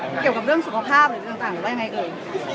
เกี่ยวกับเรื่องสุขภาพหรือต่างได้ไงเกิด